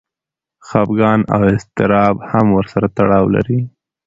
خپګان او اضطراب هم ورسره تړاو لري.